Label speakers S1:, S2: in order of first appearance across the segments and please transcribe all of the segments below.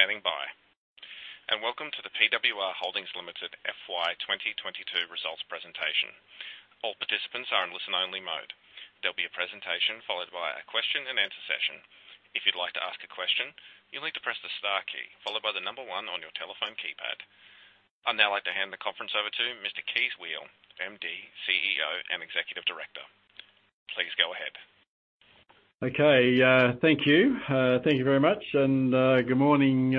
S1: T hank you for standing by. Welcome to the PWR Holdings Limited FY 2022 results presentation. All participants are in listen-only mode. There'll be a presentation followed by a question and answer session. If you'd like to ask a question, you'll need to press the star key followed by the number one on your telephone keypad. I'd now like to hand the conference over to Mr. Kees Weel, MD, CEO, and Executive Director. Please go ahead.
S2: Okay, thank you. Thank you very much. Good morning,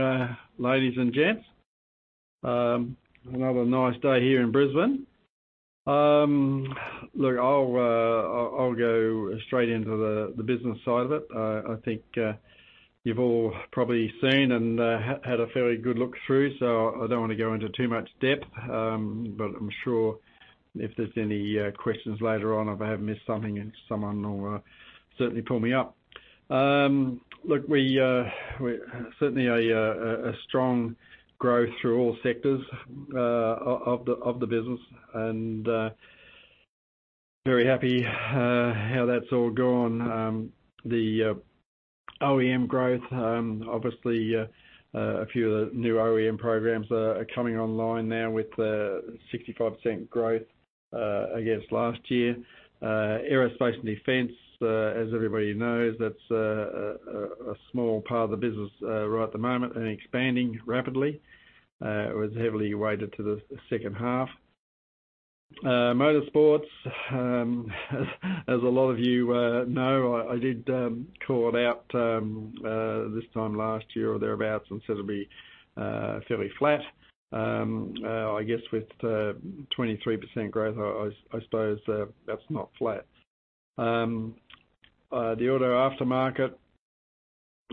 S2: ladies and gents. Another nice day here in Brisbane. Look, I'll go straight into the business side of it. I think you've all probably seen and had a fairly good look through, so I don't wanna go into too much depth. But I'm sure if there's any questions later on, if I have missed something and someone will certainly pull me up. Look, we're certainly a strong growth through all sectors of the business and very happy how that's all gone. The OEM growth, obviously, a few of the new OEM programs are coming online now with a 65% growth against last year. Aerospace and defense, as everybody knows, that's a small part of the business, right at the moment and expanding rapidly. It was heavily weighted to the second half. Motorsports, as a lot of you know, I did call it out this time last year or thereabout, and said it'd be fairly flat. I guess with 23% growth, I suppose that's not flat. The auto aftermarket,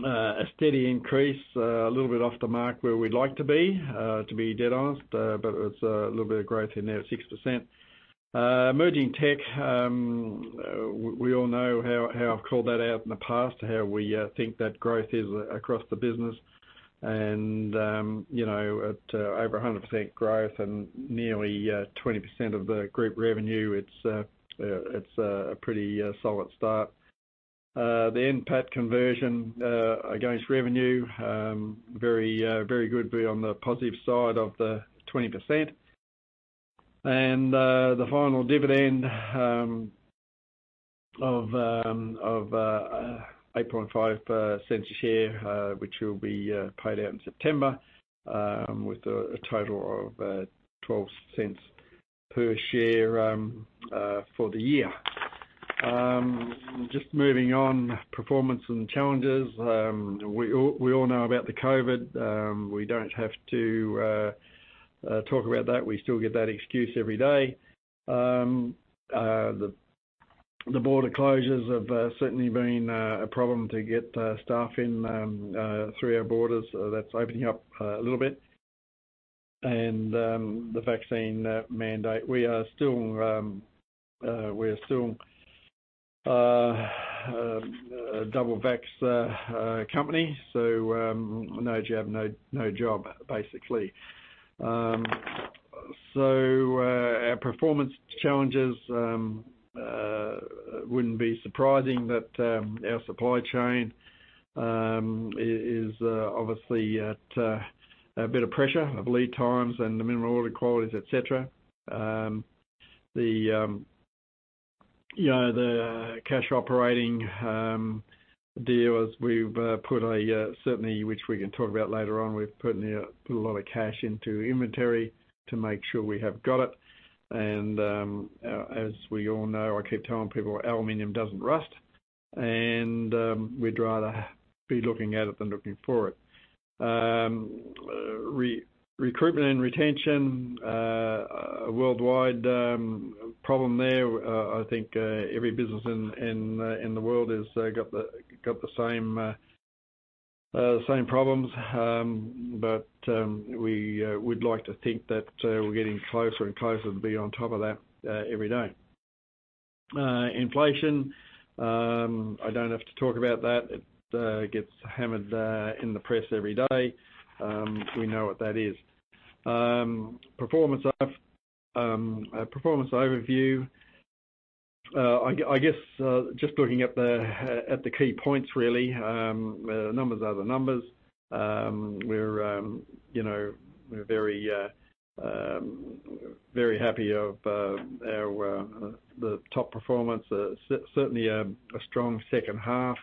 S2: a steady increase, a little bit off the mark where we'd like to be, to be dead honest, but it's a little bit of growth in there at 6%. Emerging tech, we all know how I've called that out in the past, how we think that growth is across the business. You know, at over 100% growth and nearly 20% of the group revenue, it's a pretty solid start. The NPAT conversion against revenue, very, very good to be on the positive side of the 20%. The final dividend of 0.085 per share, which will be paid out in September, with a total of 0.12 per share for the year. Just moving on, performance and challenges. We all know about the COVID. We don't have to talk about that. We still get that excuse every day. The border closures have certainly been a problem to get staff in through our borders. That's opening up a little bit. The vaccine mandate, we are still a double vax company, so no jab, no job, basically. Our performance challenges wouldn't be surprising that our supply chain is obviously at a bit of pressure of lead times and the minimum order quantities, et cetera. You know, the cash operating deal is we've put in, certainly, which we can talk about later on, a lot of cash into inventory to make sure we have got it. As we all know, I keep telling people, "Aluminum doesn't rust," and we'd rather be looking at it than looking for it. Recruitment and retention, a worldwide problem there. I think every business in the world has got the same problems. We would like to think that we're getting closer and closer to be on top of that every day. Inflation. I don't have to talk about that. It gets hammered in the press every day. We know what that is. Performance overview. I guess just looking at the key points really, the numbers are the numbers. You know, we're very happy with our top performance, certainly a strong second half,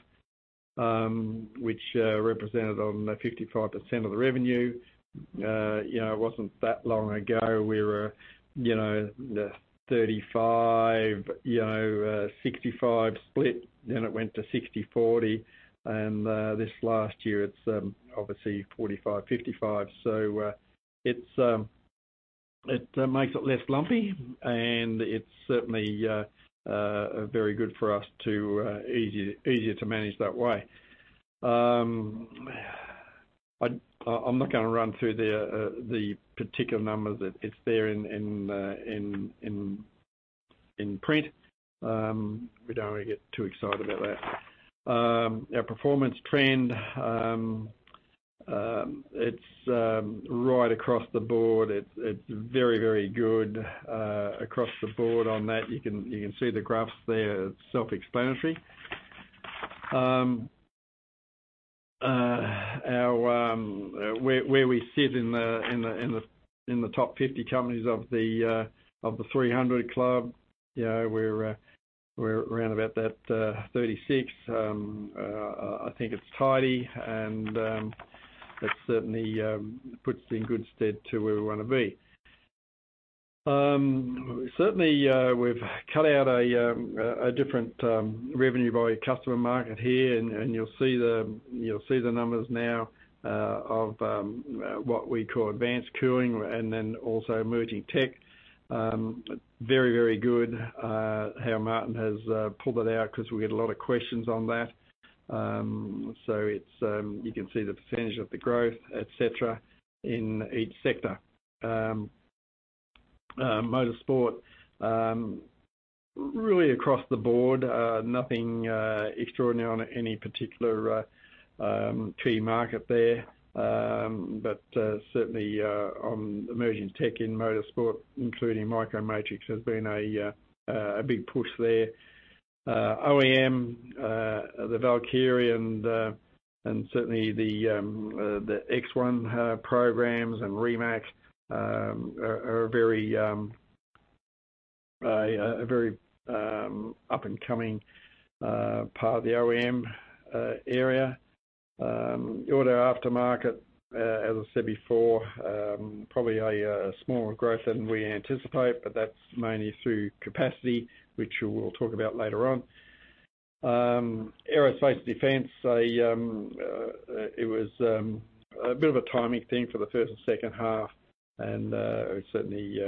S2: which represented 55% of the revenue. You know, it wasn't that long ago, we were, you know, the 35/65 split, then it went to 60/40, and this last year, it's obviously 45/55. It makes it less lumpy, and it's certainly very good for us, easier to manage that way. I'm not gonna run through the particular numbers. It's there in print. We don't wanna get too excited about that. Our performance trend, it's right across the board. It's very, very good across the board on that. You can see the graphs there, it's self-explanatory. Our where we sit in the top 50 companies of the ASX 300. You know, we're around about that 36. I think it's tidy, and it certainly puts it in good stead to where we wanna be. Certainly, we've cut out a different revenue by customer market here. You'll see the numbers now of what we call advanced cooling and then also emerging tech. Very good how Martin has pulled it out because we get a lot of questions on that. It's you can see the percentage of the growth, et cetera, in each sector. Motorsport really across the board, nothing extraordinary on any particular key market there. Certainly on emerging tech in motorsport, including MicroMatrix, there's been a big push there. OEM, the Valkyrie and certainly the X1 programs and Rimac are a very up-and-coming part of the OEM area. Auto aftermarket, as I said before, probably a smaller growth than we anticipate, but that's mainly through capacity, which we'll talk about later on. Aerospace defense, it was a bit of a timing thing for the first and second half. Certainly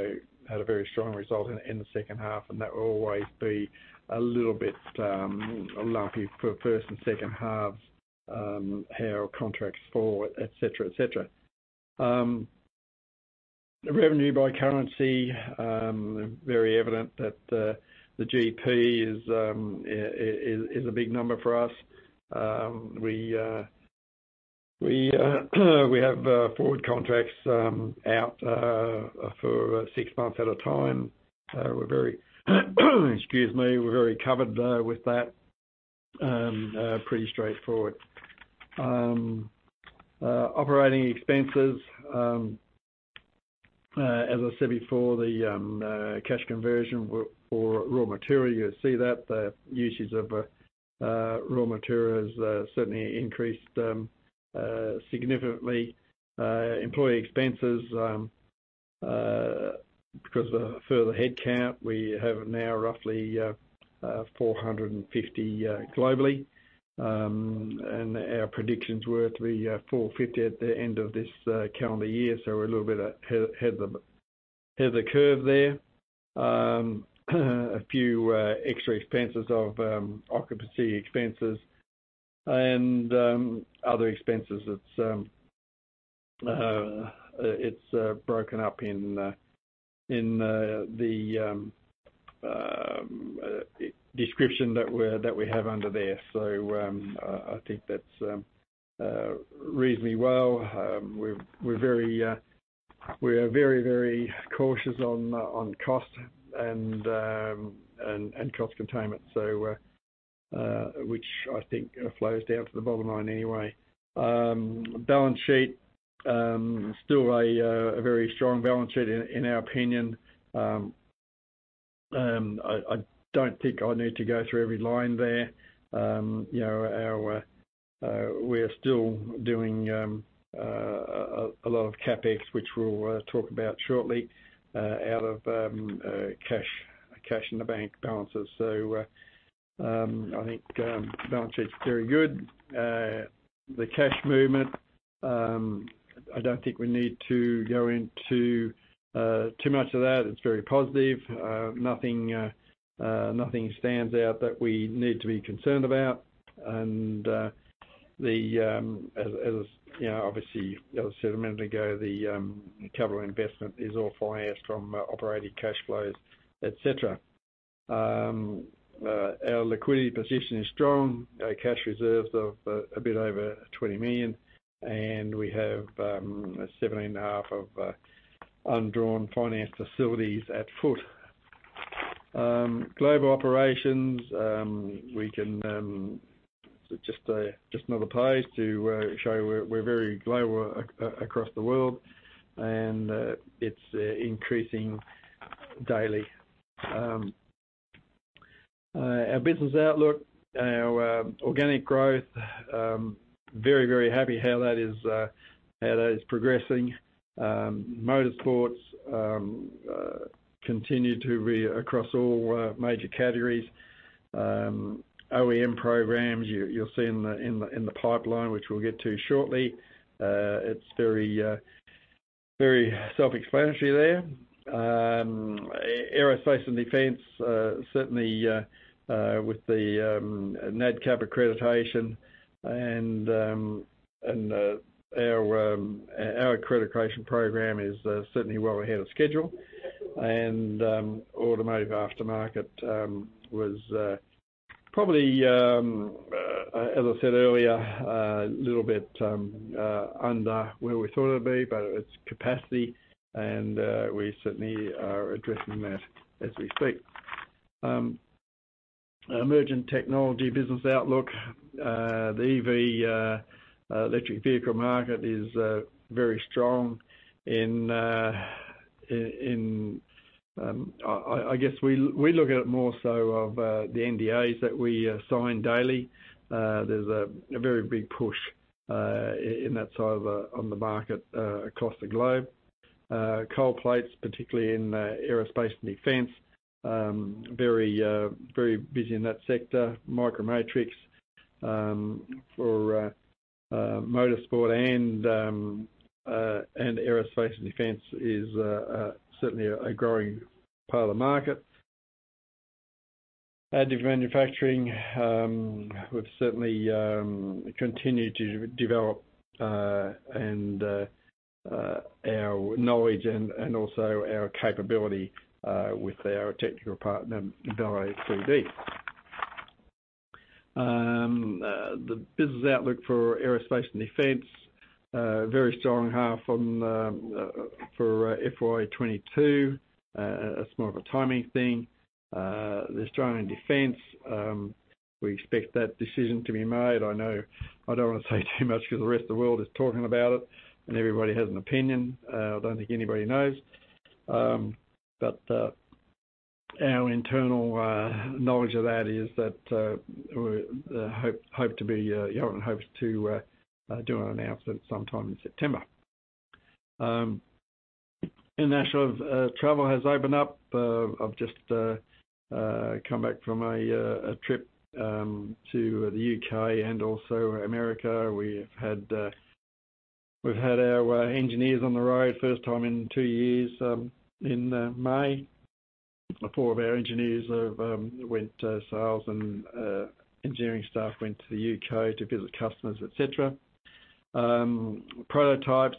S2: had a very strong result in the second half. That will always be a little bit lumpy for first and second half, how contracts fall, et cetera, et cetera. Revenue by currency, very evident that the GP is a big number for us. We have forward contracts out for six months at a time. We're very, excuse me, covered with that. Pretty straightforward. Operating expenses, as I said before, the cash conversion for raw material. You'll see that the usage of raw materials certainly increased significantly. Employee expenses because of further headcount. We have now roughly 450 globally. Our predictions were to be 450 at the end of this calendar year. We're a little bit ahead of the curve there. A few extra expenses of occupancy expenses and other expenses. It's broken up in the description that we have under there. I think that's reasonably well. We are very cautious on cost and cost containment, which I think flows down to the bottom line anyway. Balance sheet still a very strong balance sheet in our opinion. I don't think I need to go through every line there. You know, we are still doing a lot of CapEx, which we'll talk about shortly, out of cash in the bank balances. I think balance sheet's very good. The cash movement, I don't think we need to go into too much of that. It's very positive. Nothing stands out that we need to be concerned about. As you know, obviously, as I said a minute ago, the capital investment is all financed from operating cash flows, et cetera. Our liquidity position is strong. Our cash reserves of a bit over 20 million, and we have 17.5 million of undrawn finance facilities at foot. Global operations, we can just another page to show we're very global across the world, and it's increasing daily. Our business outlook, our organic growth, very happy how that is progressing. Motorsports continue to be across all major categories. OEM programs, you'll see in the pipeline, which we'll get to shortly. It's very self-explanatory there. Aerospace and defense certainly with the NADCAP accreditation and our accreditation program is certainly well ahead of schedule. Automotive aftermarket was probably, as I said earlier, a little bit under where we thought it'd be, but it's capacity and we certainly are addressing that as we speak. Emerging technology business outlook. The EV electric vehicle market is very strong in... I guess we look at it more so of the NDAs that we sign daily. There's a very big push in that side of the market across the globe. Cold plates, particularly in aerospace and defense, very busy in that sector. MicroMatrix for motorsport and aerospace and defense is certainly a growing part of the market. Additive manufacturing, we've certainly continued to develop our knowledge and also our capability with our technical partner, Velo3D. The business outlook for aerospace and defense very strong half on the for FY22. That's more of a timing thing. The Australian defense, we expect that decision to be made. I know I don't wanna say too much 'cause the rest of the world is talking about it, and everybody has an opinion. I don't think anybody knows. Our internal knowledge of that is that hopes to do an announcement sometime in September. International travel has opened up. I've just come back from a trip to the U.K. and also America. We've had our engineers on the road first time in two years in May. Four of our engineers have went to sales, and engineering staff went to the U.K. to visit customers, et cetera. Prototypes,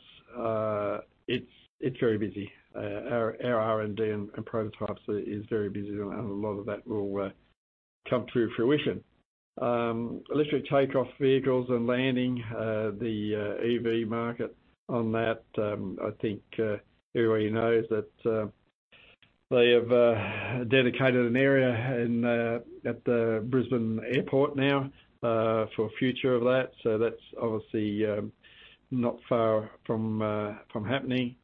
S2: it's very busy. Our R&D and prototypes is very busy and a lot of that will come to fruition. eVTOL, the EV market on that, I think everybody knows that they have dedicated an area at the Brisbane Airport now for the future of that. That's obviously not far from happening.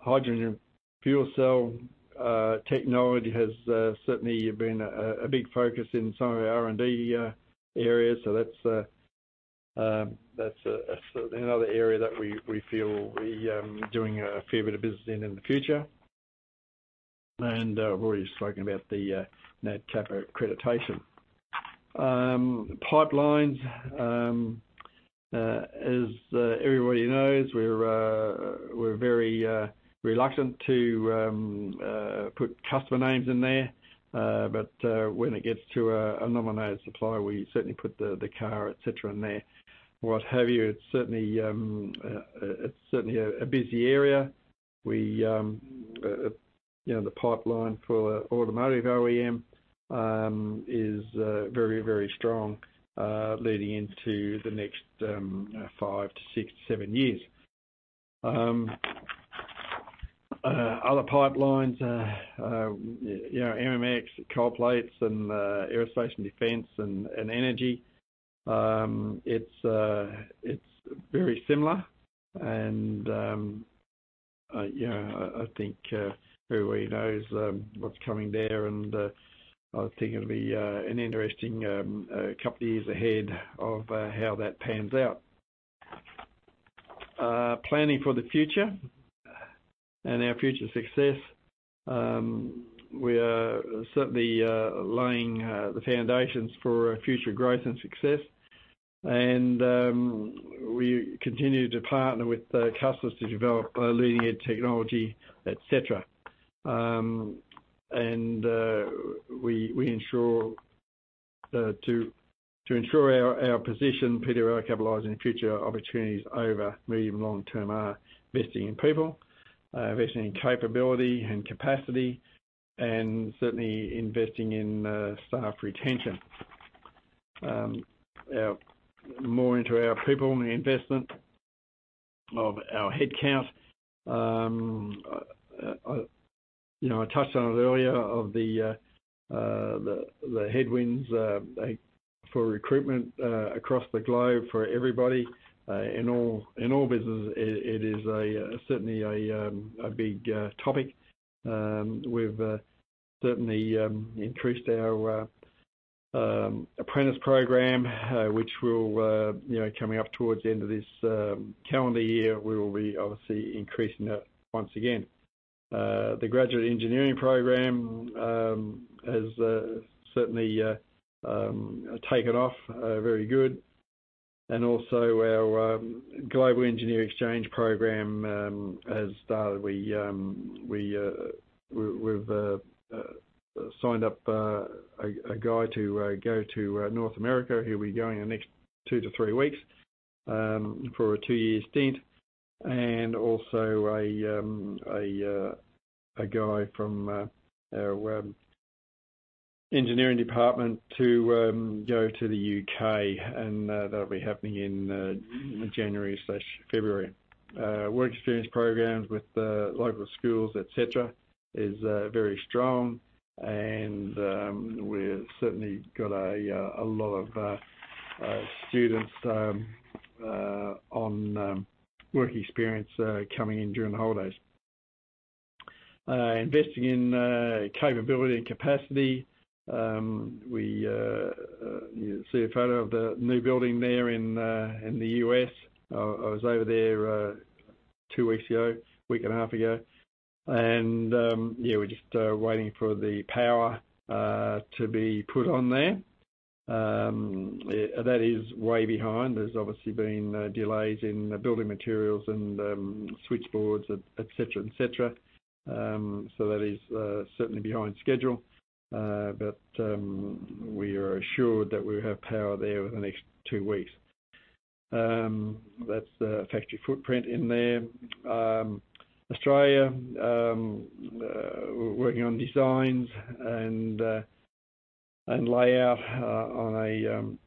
S2: Hydrogen fuel cell technology has certainly been a big focus in some of our R&D areas. That's another area that we feel we doing a fair bit of business in in the future. I've already spoken about the Nadcap accreditation. Pipelines, as everybody knows, we're very reluctant to put customer names in there. When it gets to a nominated supplier, we certainly put the car, et cetera in there, what have you. It's certainly a busy area. You know, the pipeline for automotive OEM is very strong, leading into the next five to six to seven years. Other pipelines, you know, MMX, cold plates and aerospace and defense and energy. It's very similar and, you know, I think everybody knows what's coming there and I think it'll be an interesting couple of years ahead of how that pans out. Planning for the future and our future success. We are certainly laying the foundations for future growth and success. We continue to partner with the customers to develop leading-edge technology, etc. We ensure to ensure our position to capitalize future opportunities over medium, long term are investing in people, investing in capability and capacity, and certainly investing in staff retention. More into our people investment of our headcount. You know, I touched on it earlier of the headwinds for recruitment across the globe for everybody in all businesses. It is certainly a big topic. We've certainly increased our apprentice program, which will, you know, coming up towards the end of this calendar year, we will be obviously increasing that once again. The graduate engineering program has certainly taken off, very good. Our global engineer exchange program has started. We've signed up a guy to go to North America. He'll be going in the next two to three weeks for a two-year stint. A guy from our engineering department to go to the U.K., and that'll be happening in January/February. Work experience programs with the local schools, et cetera, is very strong, and we've certainly got a lot of students on work experience coming in during the holidays. Investing in capability and capacity. You see a photo of the new building there in the U.S. I was over there, two weeks ago, a week and a half ago. Yeah, we're just waiting for the power to be put on there. Yeah, that is way behind. There's obviously been delays in building materials and switchboards, et cetera, et cetera. That is certainly behind schedule. We are assured that we'll have power there within the next two weeks. That's the factory footprint in there. Australia, we're working on designs and layout on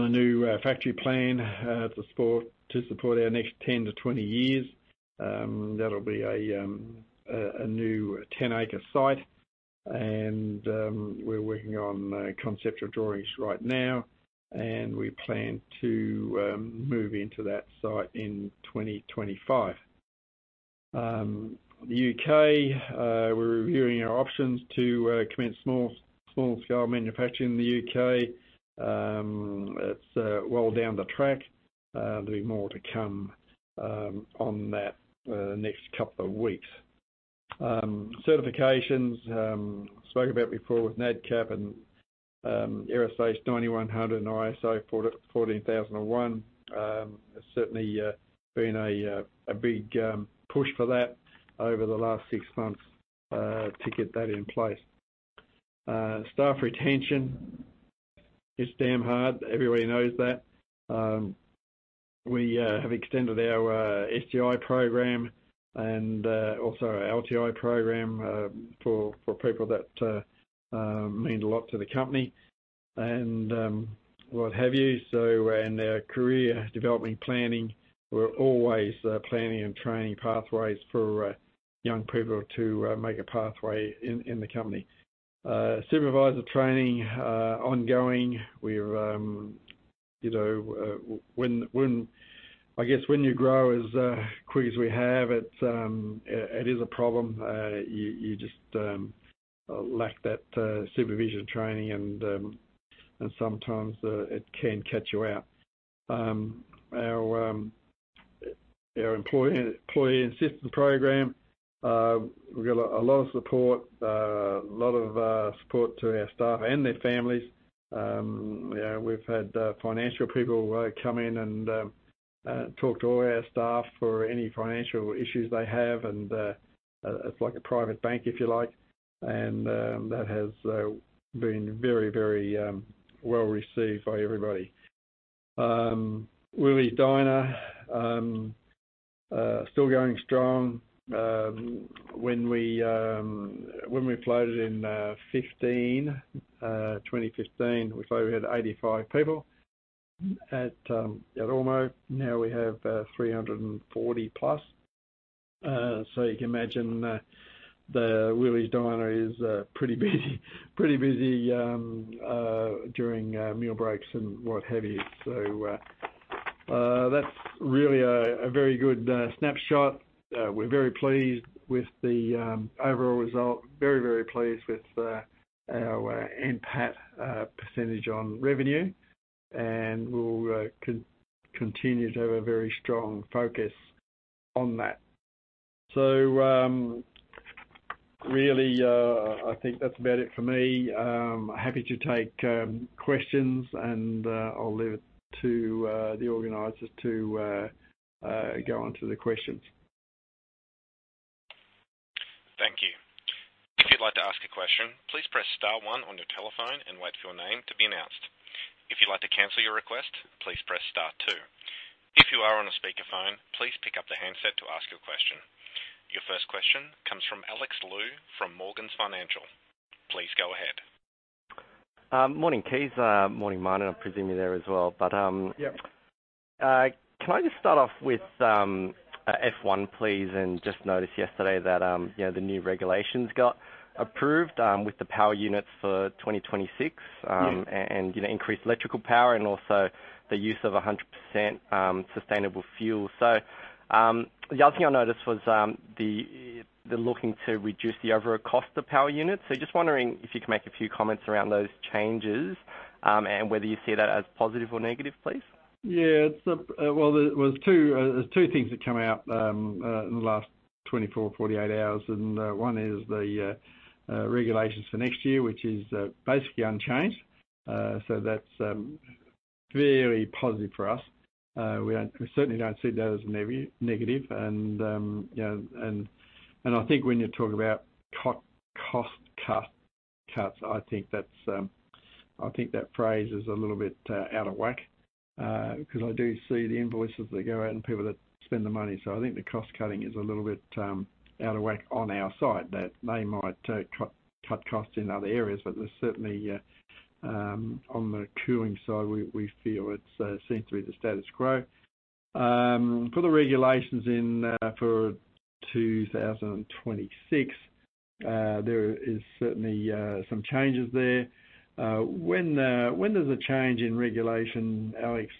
S2: a new factory plan to support our next 10-20 years. That'll be a new 10-ac site. We're working on conceptual drawings right now, and we plan to move into that site in 2025. We're reviewing our options to commence small-scale manufacturing in the U.K. It's well down the track. There'll be more to come on that next couple of weeks. Certifications spoken about before with Nadcap and AS9100 and ISO 14001. Certainly been a big push for that over the last six months to get that in place. Staff retention is damn hard. Everybody knows that. We have extended our STI program and also our LTI program for people that mean a lot to the company and what have you. In our career development planning, we're always planning and training pathways for young people to make a pathway in the company. Supervisor training ongoing. We've you know, I guess when you grow as quick as we have, it is a problem. You just lack that supervision training and sometimes it can catch you out. Our employee assistance program, we've got a lot of support to our staff and their families. Yeah, we've had financial people come in and talk to all our staff for any financial issues they have. It's like a private bank, if you like. That has been very well received by everybody. Willie's Diner still going strong. When we floated in 2015, we probably had 85 people at Ormeau. Now we have 340+. You can imagine the Willie's Diner is pretty busy during meal breaks and what have you. That's really a very good snapshot. We're very pleased with the overall result. Very pleased with our NPAT percentage on revenue. We'll continue to have a very strong focus on that. Really, I think that's about it for me. Happy to take questions and I'll leave it to the organizers to go on to the questions.
S1: Thank you. If you'd like to ask a question, please press star one on your telephone and wait for your name to be announced. If you'd like to cancel your request, please press star two. If you are on a speakerphone, please pick up the handset to ask your question. Your first question comes from Alex Lu from Morgans Financial. Please go ahead.
S2: Yeah.
S3: Can I just start off with F1, please, and just noticed yesterday that you know, the new regulations got approved with the power units for 2026.
S2: Yeah.
S3: You know, increased electrical power and also the use of 100% sustainable fuel. The other thing I noticed was them looking to reduce the overall cost of power units. Just wondering if you can make a few comments around those changes and whether you see that as positive or negative, please?
S2: There's two things that come out in the last 24-48 hours. One is the regulations for next year, which is basically unchanged. That's very positive for us. We certainly don't see that as a negative, and I think when you talk about cost cuts. I think that phrase is a little bit out of whack, 'cause I do see the invoices that go out and people that spend the money. I think the cost-cutting is a little bit out of whack on our side that they might cut costs in other areas. There's certainly on the cooling side, we feel it seems to be the status quo. For the regulations in 2026, there is certainly some changes there. When there's a change in regulation, Alex,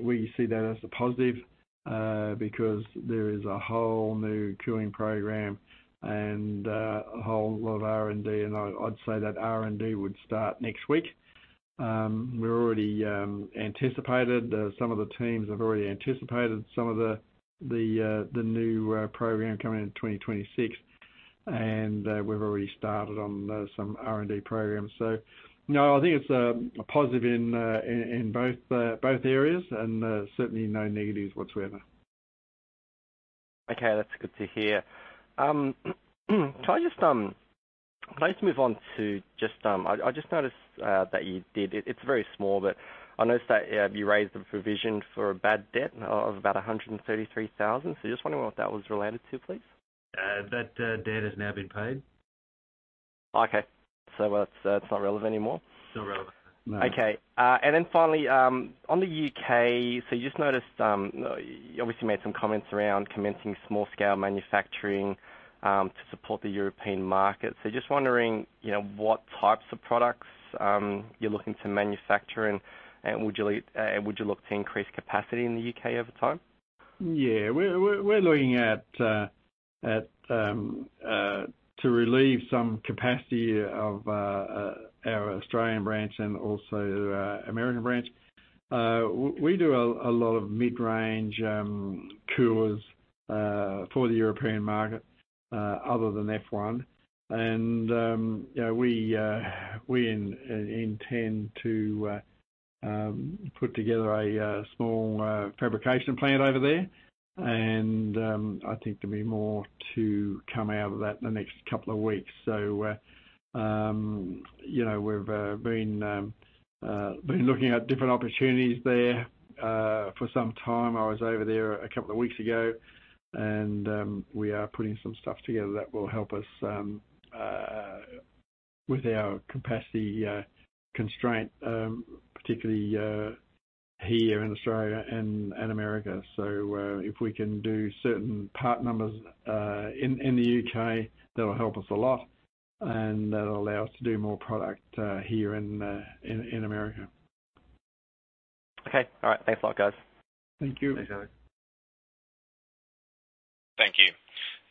S2: we see that as a positive, because there is a whole new cooling program and a whole lot of R&D, and I'd say that R&D would start next week. We're already anticipating. Some of the teams have already anticipated some of the new program coming in 2026. We've already started on some R&D programs. No, I think it's a positive in both areas and certainly no negatives whatsoever.
S3: Okay, that's good to hear. Can I just move on. I just noticed that it's very small, but I noticed that you raised the provision for a bad debt of about 133,000. Just wondering what that was related to, please?
S2: That debt has now been paid.
S3: Okay. That's not relevant anymore?
S2: Still relevant.
S3: Okay. Finally, on the U.K., so just noticed you obviously made some comments around commencing small-scale manufacturing to support the European market. Just wondering, you know, what types of products you're looking to manufacture and would you look to increase capacity in the U.K. over time?
S2: Yeah. We're looking to relieve some capacity of our Australian branch and also our American branch. We do a lot of mid-range coolers for the European market, other than F1 and, you know, we intend to put together a small fabrication plant over there. I think there'll be more to come out of that in the next couple of weeks. You know, we've been looking at different opportunities there for some time. I was over there a couple of weeks ago, and we are putting some stuff together that will help us with our capacity constraint, particularly here in Australia and America. If we can do certain part numbers in the U.K., that'll help us a lot, and that'll allow us to do more product here in America.
S3: Okay. All right. Thanks a lot, guys.
S2: Thank you.
S4: Thanks, Alex.
S1: Thank you.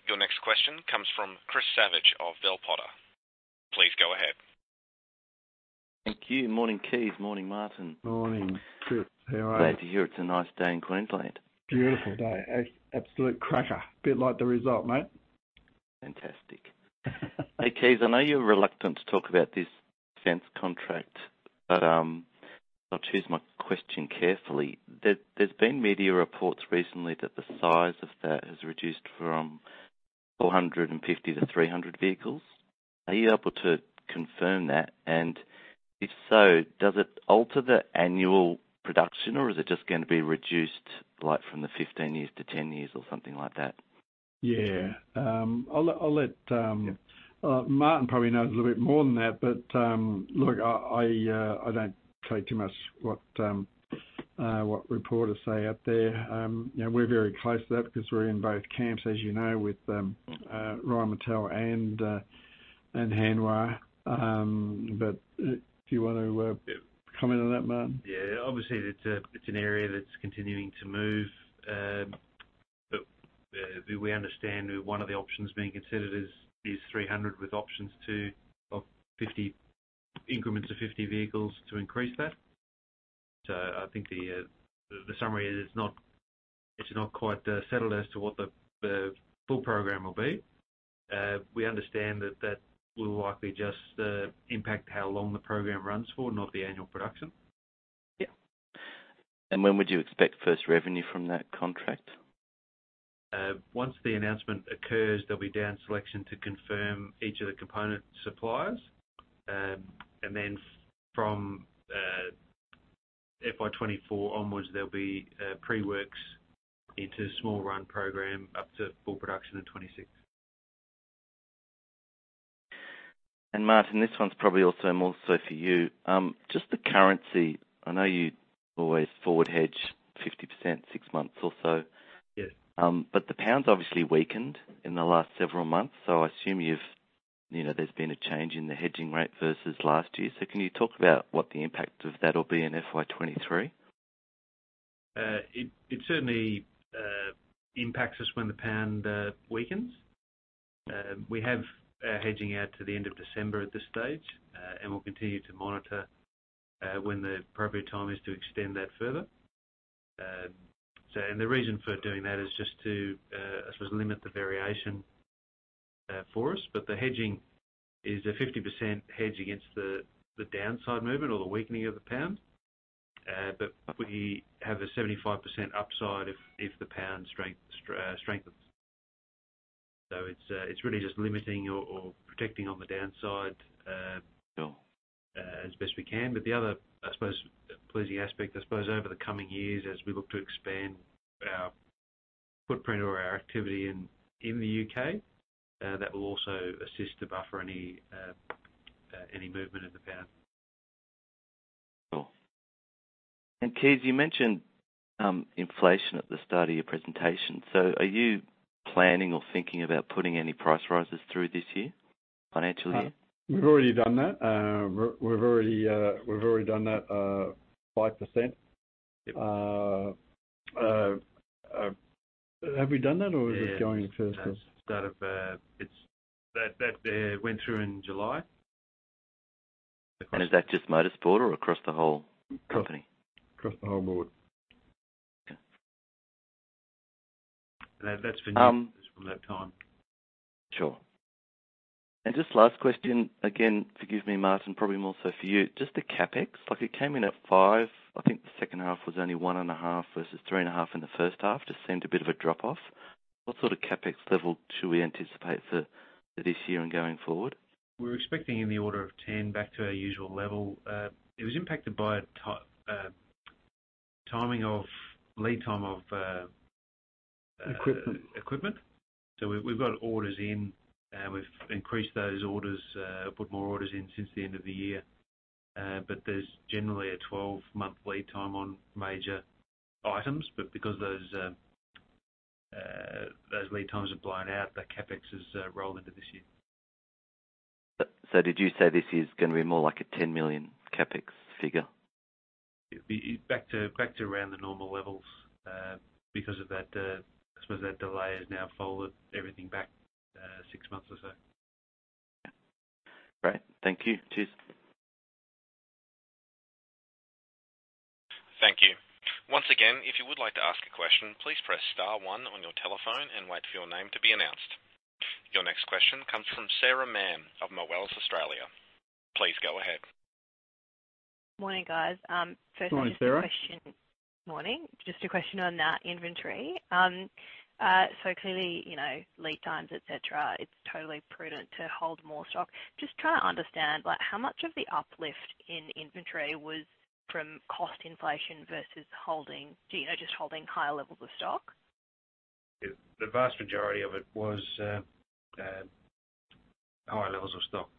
S1: Your next question comes from Chris Savage of Bell Potter. Please go ahead.
S5: Thank you. Morning, Kees. Morning, Martin.
S2: Morning, Chris. How are you?
S5: Glad to hear it's a nice day in Queensland.
S2: Beautiful day. Absolute cracker. A bit like the result, mate.
S5: Fantastic. Hey, Kees, I know you're reluctant to talk about this defense contract, but I'll choose my question carefully. There's been media reports recently that the size of that has reduced from 450 to 300 vehicles. Are you able to confirm that? And if so, does it alter the annual production, or is it just gonna be reduced, like, from the 15 years to 10 years or something like that?
S2: Yeah. I'll let.
S5: Yeah.
S2: Martin probably knows a little bit more than that, but look, I don't pay too much what reporters say out there. You know, we're very close to that because we're in both camps, as you know, with Rheinmetall and Hanwha. Do you wanna comment on that, Martin?
S4: Yeah. Obviously it's an area that's continuing to move. We understand one of the options being considered is 300 with options for 50, increments of 50 vehicles to increase that. I think the summary is not quite settled as to what the full program will be. We understand that will likely just impact how long the program runs for, not the annual production.
S5: Yeah. When would you expect first revenue from that contract?
S4: Once the announcement occurs, there'll be down selection to confirm each of the component suppliers. From FY 2024 onwards, there'll be pre-works into small run program up to full production in 2026.
S5: Martin, this one's probably also more so for you. Just the currency, I know you always forward hedge 50%, six months or so.
S4: Yeah.
S5: The pound's obviously weakened in the last several months, so I assume you've, you know, there's been a change in the hedging rate versus last year. Can you talk about what the impact of that will be in FY23?
S4: It certainly impacts us when the pound weakens. We have our hedging out to the end of December at this stage, and we'll continue to monitor when the appropriate time is to extend that further. The reason for doing that is just to, I suppose, limit the variation for us. The hedging is a 50% hedge against the downside movement or the weakening of the pound. We have a 75% upside if the pound strengthens. It's really just limiting or protecting on the downside.
S5: Sure.
S4: As best we can. The other, I suppose, pleasing aspect, I suppose over the coming years, as we look to expand our footprint or our activity in the U.K., that will also assist to buffer any movement of the pound.
S5: Sure. Kees, you mentioned inflation at the start of your presentation. Are you planning or thinking about putting any price rises through this year, financial year?
S2: We've already done that, 5%. Have we done that or is it going to first?
S4: Yeah. That started. It's that that went through in July.
S5: Is that just motorsport or across the whole company?
S2: Across the whole board.
S5: Okay.
S4: That's for news from that time.
S5: Sure. Just last question again, forgive me, Martin, probably more so for you. Just the CapEx. Like it came in at 5. I think the second half was only one and a half versus 3.5 In the first half. Just seemed a bit of a drop off. What sort of CapEx level should we anticipate for this year and going forward?
S4: We're expecting in the order of 10 back to our usual level. It was impacted by timing of, lead time of
S2: Equipment.
S4: Equipment. We've got orders in, and we've increased those orders, put more orders in since the end of the year. There's generally a 12-month lead time on major items. Because those lead times are blown out, that CapEx has rolled into this year.
S5: Did you say this is gonna be more like a 10 million CapEx figure?
S4: Back to around the normal levels, because of that, I suppose that delay has now folded everything back, six months or so.
S5: Great. Thank you. Cheers.
S1: Thank you. Once again, if you would like to ask a question, please press star one on your telephone and wait for your name to be announced. Your next question comes from [Sarah Mann] of Morgans Australia. Please go ahead.
S6: Morning, guys.
S2: Morning, Sarah.
S6: Morning. Just a question on that inventory. Clearly, you know, lead times, et cetera, it's totally prudent to hold more stock. Just trying to understand like how much of the uplift in inventory was from cost inflation versus holding, do you know, just holding higher levels of stock?
S4: The vast majority of it was higher levels of stock.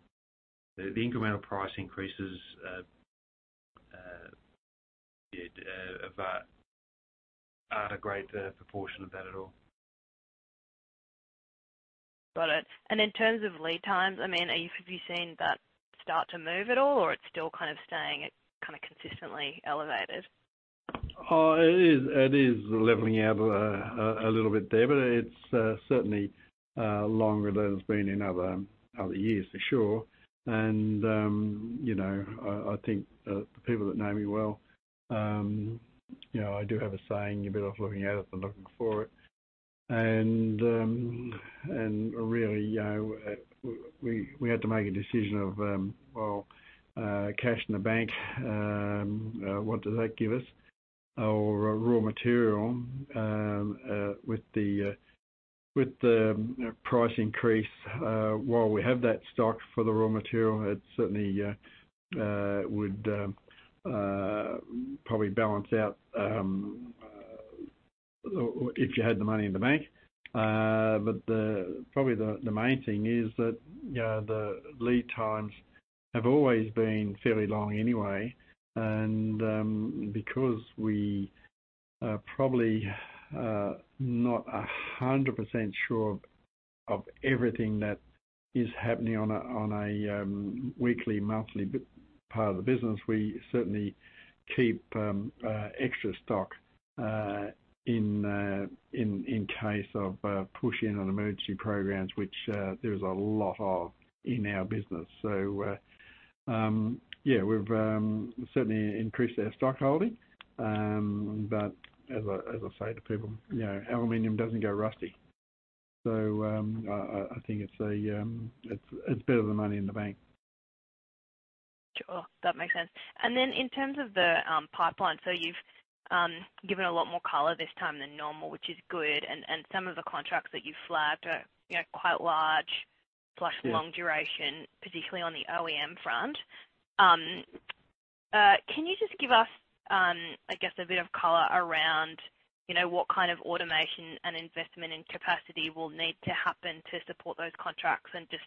S4: The incremental price increases did a great proportion of that at all.
S6: Got it. In terms of lead times, I mean, have you seen that start to move at all or it's still kind of staying at, kinda consistently elevated?
S2: It is leveling out a little bit there, but it's certainly longer than it's been in other years, for sure. You know, I think the people that know me well, you know, I do have a saying, you're better off looking at it than looking for it. Really, you know, we had to make a decision of, well, cash in the bank, what does that give us? Raw material with the price increase, while we have that stock for the raw material, it certainly would probably balance out, if you had the money in the bank. Probably the main thing is that, you know, the lead times have always been fairly long anyway, and because we are probably not 100% sure of everything that is happening on a weekly, monthly part of the business, we certainly keep extra stock in case of push-in on emergency programs, which there's a lot of in our business. Yeah, we've certainly increased our stock holding. As I say to people, you know, aluminum doesn't go rusty. I think it's better than money in the bank.
S6: Sure. That makes sense. In terms of the pipeline, so you've given a lot more color this time than normal, which is good. Some of the contracts that you flagged are, you know, quite large.
S2: Yeah.
S6: Long duration, particularly on the OEM front. Can you just give us, I guess, a bit of color around, you know, what kind of automation and investment in capacity will need to happen to support those contracts and just,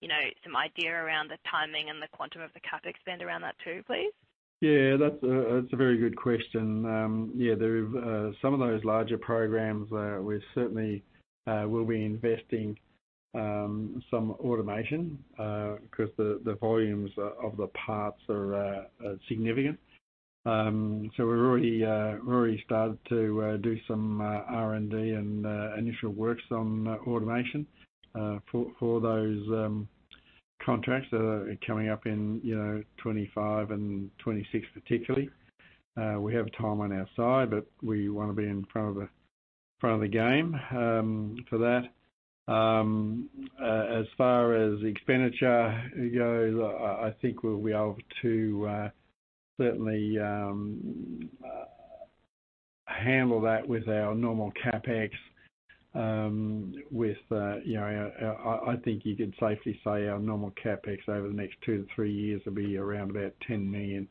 S6: you know, some idea around the timing and the quantum of the CapEx spend around that too, please?
S2: Yeah, that's a very good question. Yeah, there some of those larger programs, we certainly will be investing some automation, 'cause the volumes of the parts are significant. So we're already started to do some R&D and initial works on automation, for those contracts that are coming up in, you know, 2025 and 2026 particularly. We have time on our side, but we wanna be in front of the game, for that. As far as expenditure goes, I think we'll be able to certainly handle that with our normal CapEx, with you know, I think you could safely say our normal CapEx over the next two to three years will be around about 10 million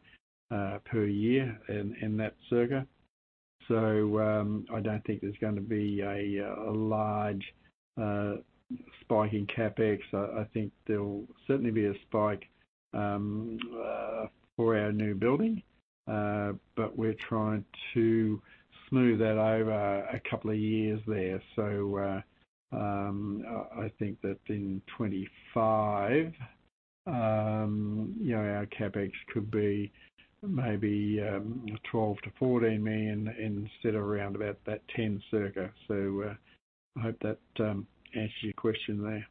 S2: per year in that circa. I don't think there's gonna be a large spike in CapEx. I think there'll certainly be a spike for our new building, but we're trying to smooth that over a couple of years there. I think that in 2025, you know, our CapEx could be maybe 12 million-14 million instead of around about that 10 circa. I hope that answers your question there.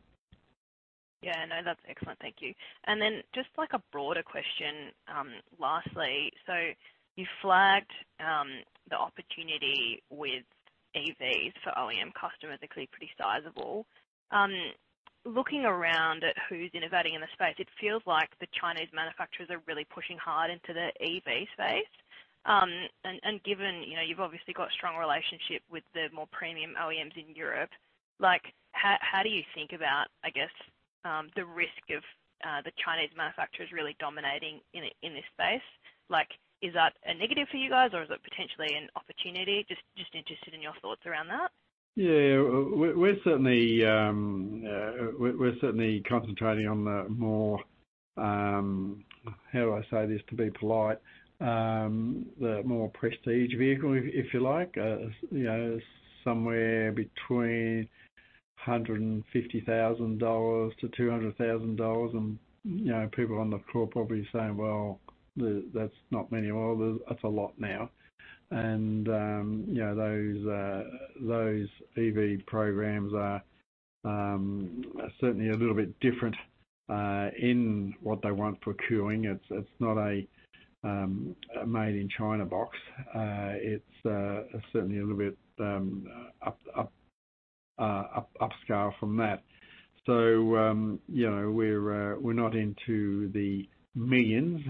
S6: Yeah, no, that's excellent. Thank you. Then just like a broader question, lastly. You flagged the opportunity with EVs for OEM customers, clearly pretty sizable. Looking around at who's innovating in the space, it feels like the Chinese manufacturers are really pushing hard into the EV space. And given, you know, you've obviously got a strong relationship with the more premium OEMs in Europe, like, how do you think about, I guess, the risk of the Chinese manufacturers really dominating in this space? Like, is that a negative for you guys, or is it potentially an opportunity? Just interested in your thoughts around that.
S2: Yeah. We're certainly concentrating on the more. How do I say this to be polite? The more prestige vehicle, if you like. You know, somewhere between $150,000-$200,000 and, you know, people on the call probably saying, "Well, that's not many." Well, that's a lot now. You know, those EV programs are certainly a little bit different in what they want for cooling. It's not a made-in-China box. It's certainly a little bit upscale from that. You know, we're not into the millions,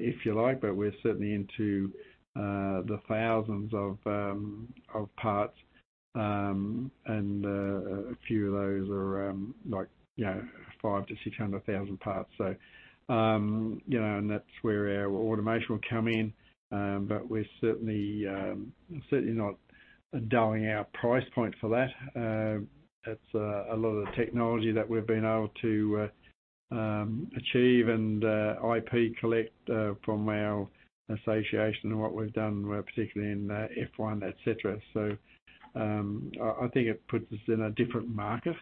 S2: if you like, but we're certainly into the thousands of parts. A few of those are, like, you know, 500,000-600,000 parts. That's where our automation will come in. We're certainly not diluting our price point for that. It's a lot of the technology that we've been able to achieve and collect IP from our association and what we've done, particularly in F1, et cetera. I think it puts us in a different market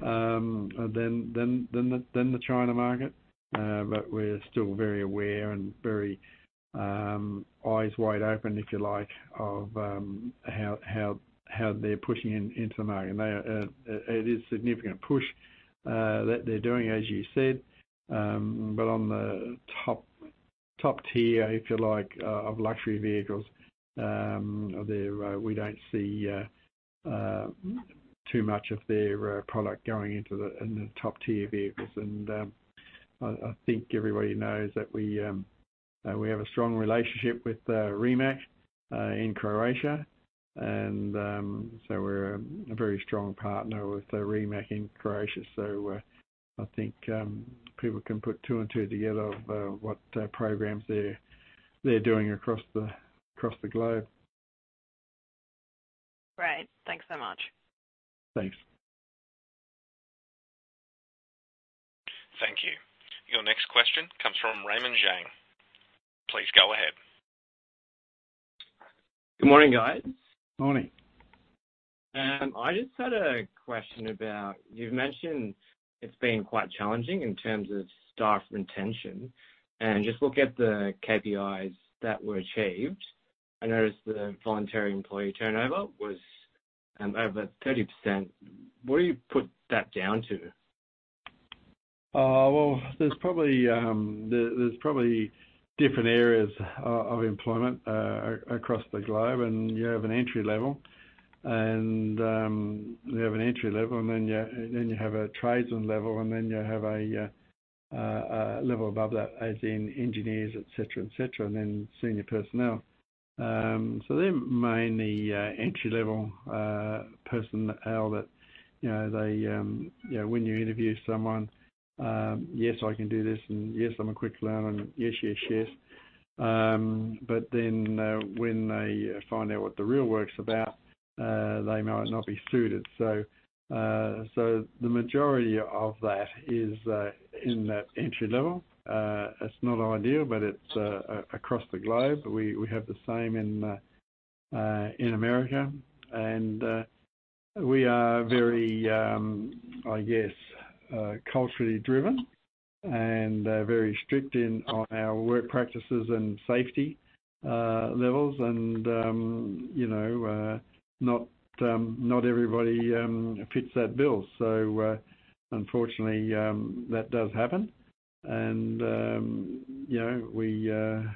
S2: than the China market. We're still very aware and very eyes wide open, if you like, of how they're pushing into the market. They are. It is significant push that they're doing, as you said. On the top tier, if you like, of luxury vehicles, we don't see too much of their product going into the top-tier vehicles. I think everybody knows that we have a strong relationship with Rimac in Croatia. We're a very strong partner with Rimac in Croatia. I think people can put two and two together of what programs they're doing across the globe.
S6: Great. Thanks so much.
S2: Thanks.
S1: Thank you. Your next question comes from Raymond Zhang. Please go ahead.
S7: Good morning, guys.
S2: Morning.
S7: I just had a question about, you've mentioned it's been quite challenging in terms of staff retention and just look at the KPIs that were achieved. I noticed the voluntary employee turnover was over 30%. What do you put that down to?
S2: Well, there's probably different areas of employment across the globe, and you have an entry-level, and then you have a tradesman level, and then you have a level above that as in engineers, et cetera, and then senior personnel. They're mainly entry level personnel that, you know, they, you know, when you interview someone, "Yes, I can do this," and, "Yes, I'm a quick learner," and, "Yes, yes." When they find out what the real work's about, they might not be suited. The majority of that is in that entry level. It's not ideal, but it's across the globe. We have the same in America. We are very, I guess, culturally driven and very strict on our work practices and safety levels and you know not everybody fits that bill. Unfortunately, that does happen. You know,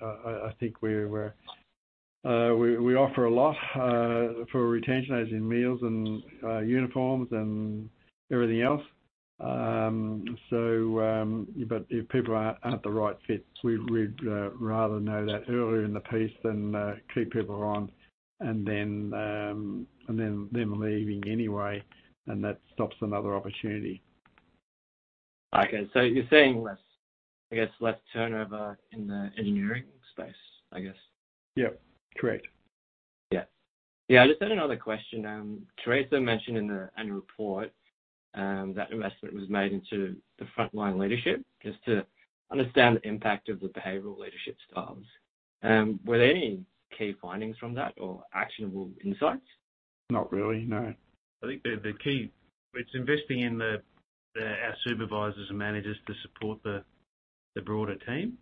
S2: I think we offer a lot for retention, as in meals and uniforms and everything else. If people aren't the right fit, we'd rather know that earlier in the piece than keep people on and then them leaving anyway, and that stops another opportunity.
S7: Okay. You're seeing less, I guess, less turnover in the engineering space, I guess.
S2: Yep, correct.
S7: Yeah. I just had another question. Teresa mentioned in the annual report that investment was made into the frontline leadership just to understand the impact of the behavioral leadership styles. Were there any key findings from that or actionable insights?
S2: Not really, no.
S4: I think the key, it's investing in our supervisors and managers to support the broader team.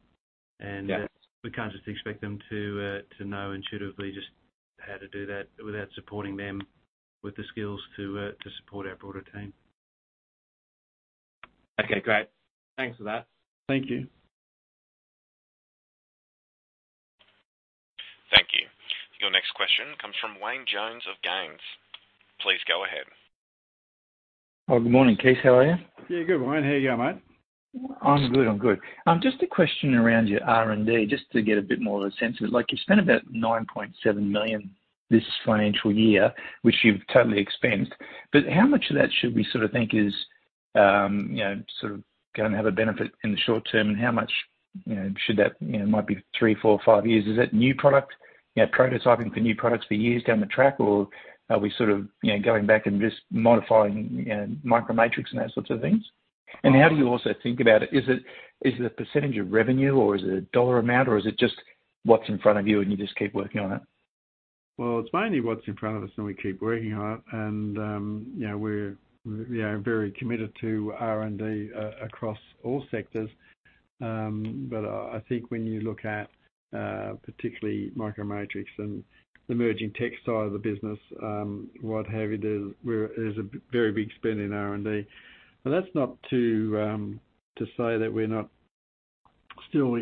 S7: Yeah.
S4: We can't just expect them to know intuitively just how to do that without supporting them with the skills to support our broader team.
S7: Okay, great. Thanks for that.
S2: Thank you.
S1: Thank you. Your next question comes from Wayne Jones of Ganes. Please go ahead.
S8: Oh, good morning, Kees. How are you?
S2: Yeah, good, Wayne. How you going, mate?
S8: I'm good. I'm good. Just a question around your R&D, just to get a bit more of a sense of it. Like you spent about 9.7 million this financial year, which you've totally expensed, but how much of that should we sort of think is, you know, sort of gonna have a benefit in the short term? How much, you know, should that, you know, might be three, four, five years? Is it new product, you know, prototyping for new products for years down the track, or are we sort of, you know, going back and just modifying, you know, MicroMatrix and those sorts of things? How do you also think about it? Is it, is it a percentage of revenue, or is it a dollar amount, or is it just what's in front of you and you just keep working on it?
S2: Well, it's mainly what's in front of us, and we keep working on it. You know, we are very committed to R&D across all sectors. I think when you look at particularly MicroMatrix and the emerging tech side of the business, what have you, there's a very big spend in R&D. That's not to say that we're not still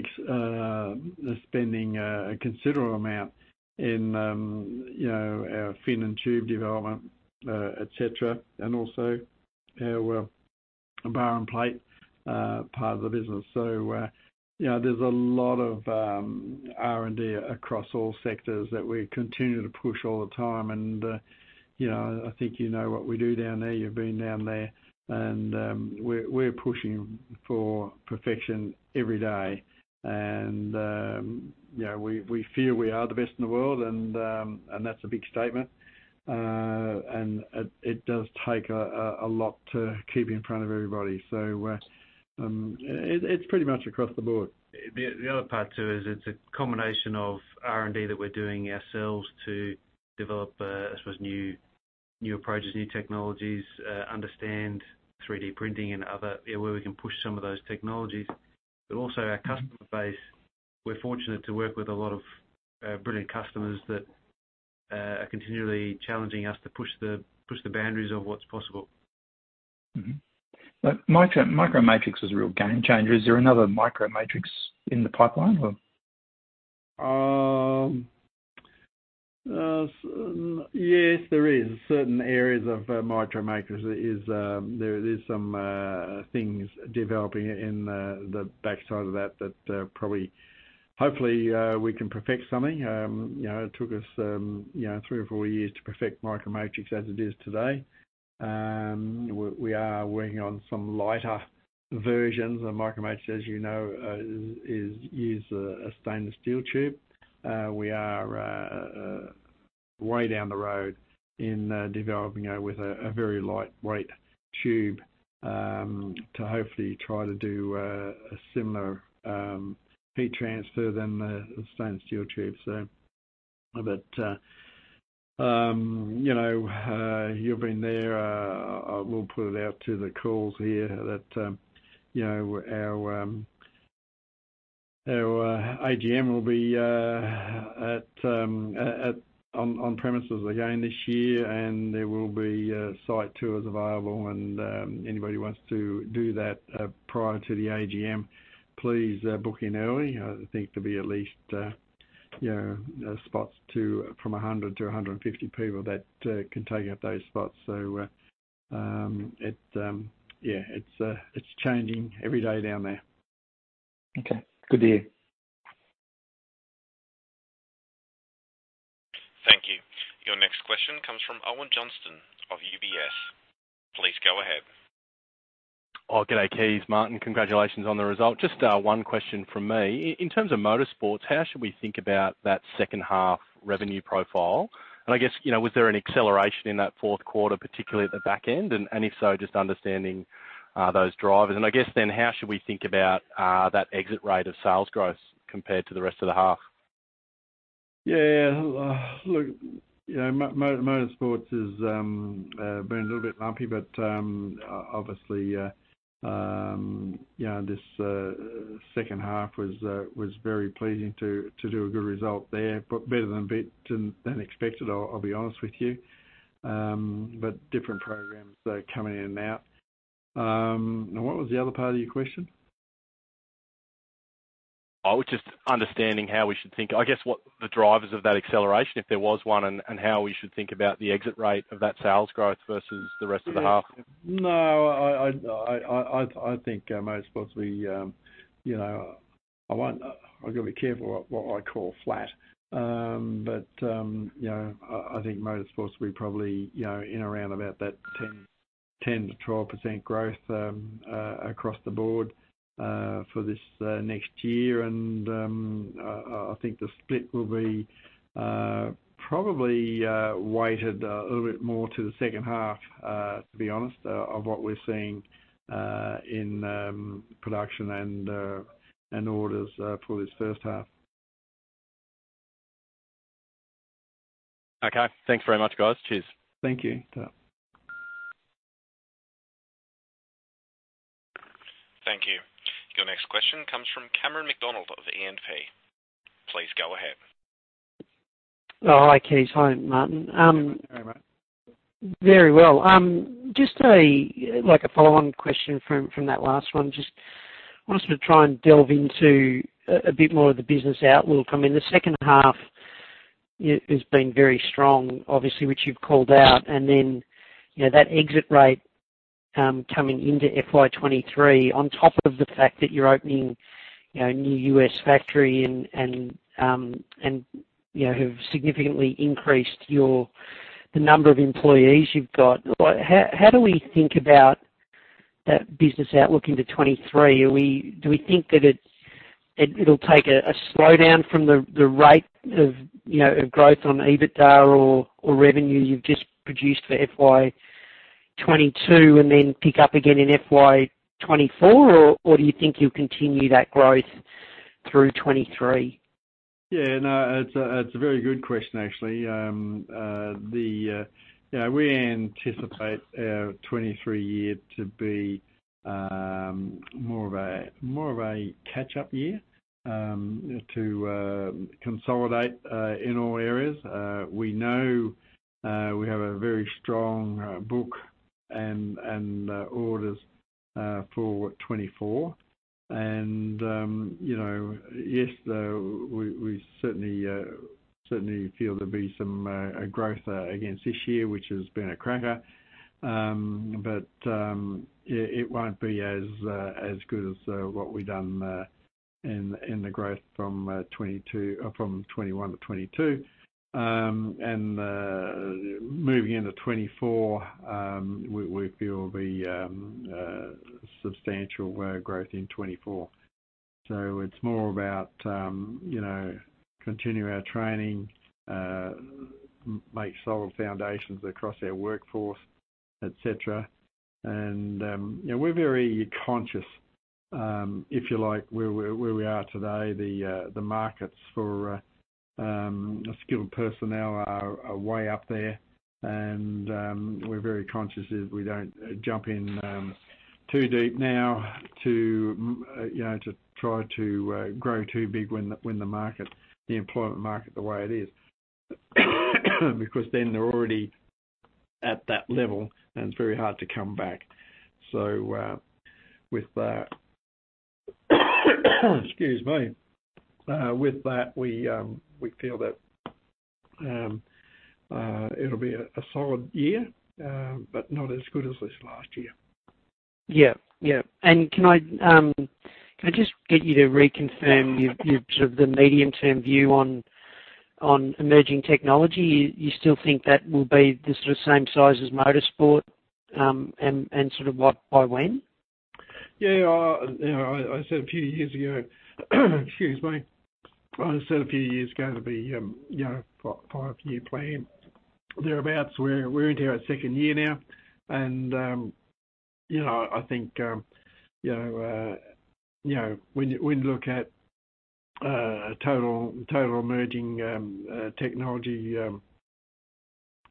S2: spending a considerable amount in you know, our fin and tube development, et cetera, and also our bar and plate part of the business. You know, there's a lot of R&D across all sectors that we continue to push all the time. You know, I think you know what we do down there. You've been down there and we're pushing for perfection every day. You know, we feel we are the best in the world and that's a big statement. It does take a lot to keep in front of everybody. It's pretty much across the board.
S4: The other part too is it's a combination of R&D that we're doing ourselves to develop, I suppose new approaches, new technologies, understand 3D printing and other, you know, where we can push some of those technologies. Also our customer base, we're fortunate to work with a lot of brilliant customers that are continually challenging us to push the boundaries of what's possible.
S8: MicroMatrix is a real game changer. Is there another MicroMatrix in the pipeline or?
S2: Yes, there is certain areas of MicroMatrix. There is some things developing in the backside of that probably hopefully we can perfect something. You know, it took us you know three or four years to perfect MicroMatrix as it is today. We are working on some lighter versions of MicroMatrix, as you know is a stainless steel tube. We are way down the road in developing it with a very lightweight tube to hopefully try to do a similar heat transfer than the stainless steel tube. You know, you've been there. I will put it out to the calls here that you know, our AGM will be on premises again this year, and there will be site tours available and anybody who wants to do that prior to the AGM, please book in early. I think there'll be at least you know, spots for 100 to 150 people that can take up those spots. It's changing every day down there.
S8: Okay. Good to hear.
S1: Thank you. Your next question comes from Owen Johnston of UBS. Please go ahead.
S9: Good day, Kees, Martin. Congratulations on the result. Just one question from me. In terms of motorsports, how should we think about that second half revenue profile? I guess, you know, was there an acceleration in that fourth quarter, particularly at the back end? If so, just understanding those drivers. I guess then how should we think about that exit rate of sales growth compared to the rest of the half?
S2: Yeah. Look, you know, motorsports has been a little bit bumpy, but obviously, you know, this second half was very pleasing to do a good result there, but better than expected. I'll be honest with you. Different programs, they're coming in and out. What was the other part of your question?
S9: Oh, just understanding how we should think. I guess what the drivers of that acceleration, if there was one, and how we should think about the exit rate of that sales growth versus the rest of the half.
S2: No, I think Motorsports will be, you know, I've got to be careful what I call flat. But, you know, I think Motorsports will be probably, you know, in around about that 10%-12% growth across the board for this next year. I think the split will be probably weighted a little bit more to the second half, to be honest, of what we're seeing in production and orders for this first half.
S9: Okay. Thanks very much, guys. Cheers.
S2: Thank you. Owen.
S1: Thank you. Your next question comes from Cameron McDonald of E&P. Please go ahead.
S10: Oh, hi, Kees. Hi, Martin.
S2: Yeah. How are you, mate?
S10: Very well. Just a like a follow-on question from that last one. Just wanted to try and delve into a bit more of the business outlook. I mean, the second half has been very strong, obviously, which you've called out. Then, you know, that exit rate coming into FY 2023 on top of the fact that you're opening, you know, a new U.S. factory and, you know, have significantly increased the number of employees you've got. Like, how do we think about that business outlook into 2023? Are we? Do we think that it'll take a slowdown from the rate of, you know, of growth on EBITDA or revenue you've just produced for FY 2022 and then pick up again in FY 2024? Or do you think you'll continue that growth through 2023?
S2: Yeah. No, it's a very good question, actually. You know, we anticipate our 2023 year to be more of a catch-up year to consolidate in all areas. We know we have a very strong book and orders for 2024. You know, yes, though, we certainly feel there'll be some growth against this year, which has been a cracker. But yeah, it won't be as good as what we've done in the growth from 2021 to 2022. Moving into 2024, we feel will be substantial growth in 2024. It's more about you know, continue our training, make solid foundations across our workforce, et cetera. You know, we're very conscious, if you like, where we are today, the markets for skilled personnel are way up there. We're very conscious that we don't jump in too deep now to, you know, to try to grow too big when the employment market, the way it is. Because then they're already at that level, and it's very hard to come back. With that, excuse me. With that, we feel that it'll be a solid year, but not as good as this last year.
S10: Yeah. Can I just get you to reconfirm your sort of the medium-term view on emerging technology? You still think that will be the sort of same size as motorsport, and sort of what by when?
S2: Yeah. You know, I said a few years ago, excuse me. It'll be a five-year plan, thereabouts. We're into our second year now, and you know, I think you know, you know, when you look at total emerging technology,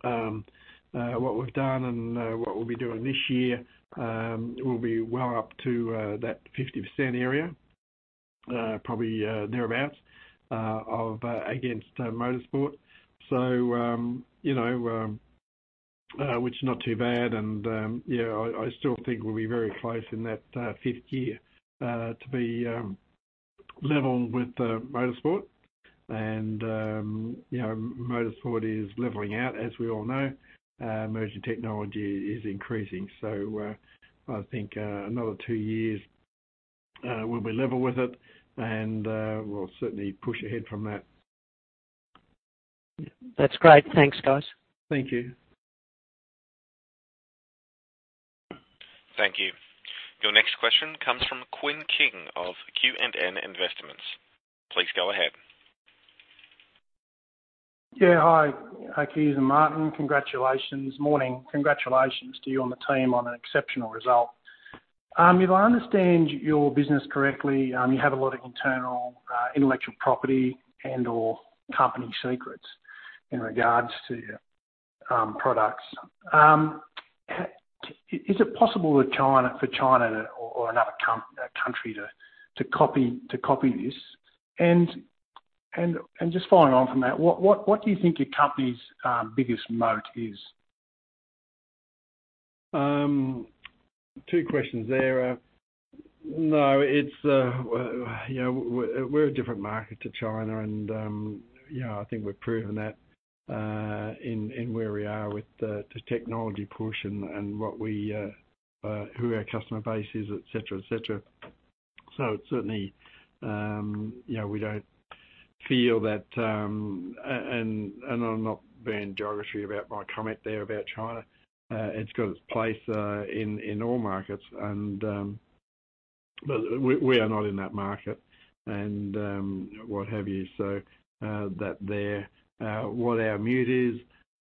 S2: what we've done and what we'll be doing this year, we'll be well up to that 50% area, probably, thereabouts, of against Motorsport. You know, which is not too bad, and you know, I still think we'll be very close in that fifth year to be level with Motorsport. You know, Motorsport is leveling out, as we all know. Emerging technology is increasing. I think another two years we'll be level with it, and we'll certainly push ahead from that.
S10: That's great. Thanks, guys.
S2: Thank you.
S1: Thank you. Your next question comes from Quinn King of Q&N Investments. Please go ahead.
S11: Yeah, hi. Hi, Kees and Martin. Congratulations. Morning. Congratulations to you and the team on an exceptional result. If I understand your business correctly, you have a lot of internal intellectual property and/or company secrets in regards to your products. Is it possible for China or another country to copy this? Just following on from that, what do you think your company's biggest moat is?
S2: Two questions there. No, it's well, you know, we're a different market to China and you know, I think we've proven that in where we are with the technology push and who our customer base is, et cetera, et cetera. It's certainly you know, we don't feel that and I'm not being geographic about my comment there about China. It's got its place in all markets and but we are not in that market and what have you. That there what our moat is,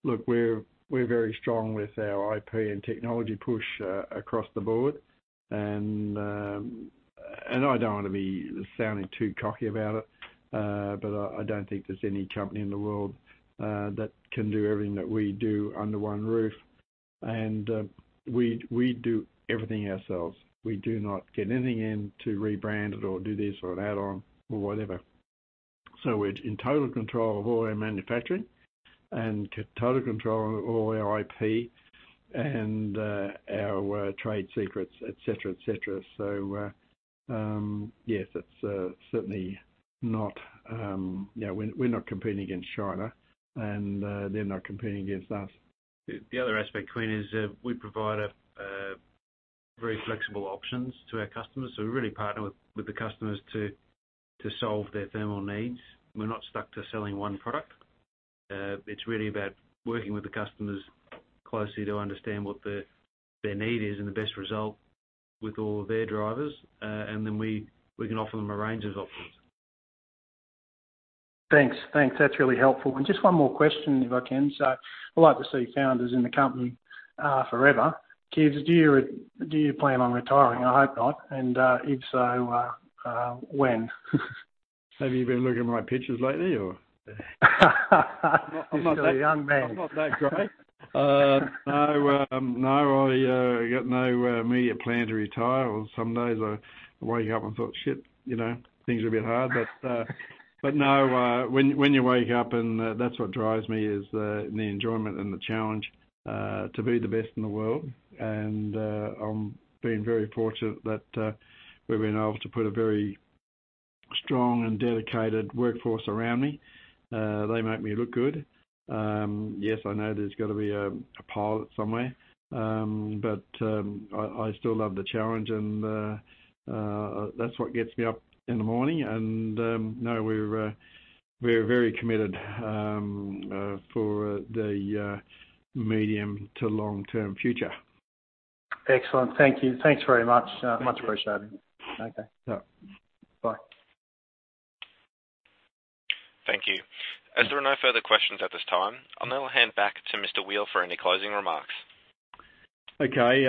S2: look, we're very strong with our IP and technology push across the board. I don't wanna be sounding too cocky about it, but I don't think there's any company in the world that can do everything that we do under one roof. We do everything ourselves. We do not get anything in to rebrand it or do this or an add-on or whatever. We're in total control of all our manufacturing and total control of all our IP and our trade secrets, et cetera, et cetera. Yes, it's certainly not, you know, we're not competing against China and they're not competing against us.
S4: The other aspect, Quinn, is that we provide a very flexible options to our customers. We really partner with the customers to solve their thermal needs. We're not stuck to selling one product. It's really about working with the customers closely to understand what their need is and the best result with all of their drivers. We can offer them a range of options.
S11: Thanks. That's really helpful. Just one more question if I can. I'd like to see founders in the company, forever. Kees, do you plan on retiring? I hope not. If so, when?
S2: Have you been looking at my pictures lately, or?
S11: You're still a young man.
S2: I'm not that gray. No, I got no immediate plan to retire or some days I wake up and thought, "Shit, you know, things are a bit hard." No, when you wake up and that's what drives me is the enjoyment and the challenge to be the best in the world. I'm being very fortunate that we've been able to put a very strong and dedicated workforce around me. They make me look good. Yes, I know there's gotta be a pilot somewhere. I still love the challenge and that's what gets me up in the morning. No, we're very committed for the medium to long-term future.
S11: Excellent. Thank you. Thanks very much. Much appreciated.
S2: Okay.
S11: Bye.
S1: Thank you. As there are no further questions at this time, I'll now hand back to Mr. Kees Weel for any closing remarks.
S2: Okay.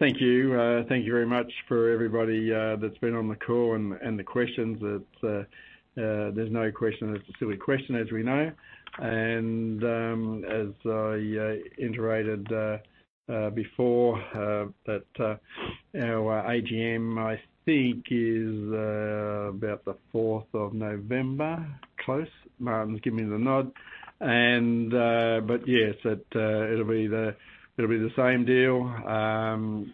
S2: Thank you very much for everybody that's been on the call and the questions that there's no question that's a silly question, as we know. As I iterated before, our AGM, I think is about the November 4th. Close. Martin is giving me the nod. But yes, it'll be the same deal.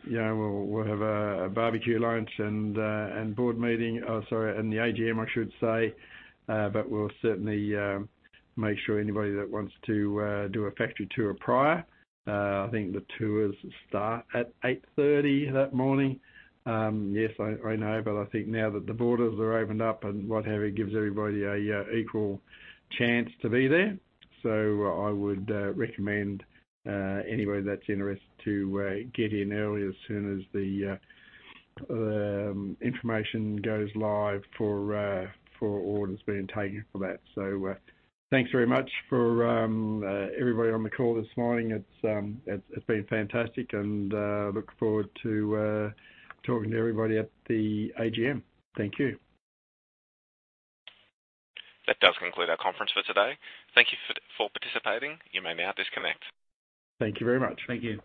S2: You know, we'll have a barbecue lunch and board meeting. Oh, sorry, and the AGM, I should say. But we'll certainly make sure anybody that wants to do a factory tour prior. I think the tours start at 8:30 A.M. that morning. Yes, I know, but I think now that the borders are opened up and what have you, it gives everybody an equal chance to be there. I would recommend anybody that's interested to get in early as soon as the information goes live for orders being taken for that. Thanks very much for everybody on the call this morning. It's been fantastic and look forward to talking to everybody at the AGM. Thank you.
S1: That does conclude our conference for today. Thank you for participating. You may now disconnect.
S2: Thank you very much.
S4: Thank you.